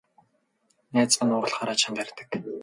Найз маань уурлахаараа чанга ярьдаг.